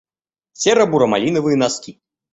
Серо-буро-малиновые носки